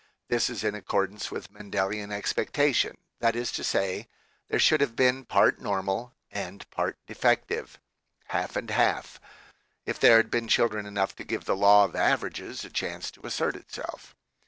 This is in accordance with Mendelian expectation ; that is to say, there should have been part normal and part defective, half and half, if there had been children enough to give the law of averages a chance to assert itself.